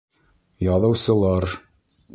Яҙыусылар!